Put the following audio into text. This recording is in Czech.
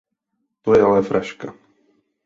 To je ale fraška!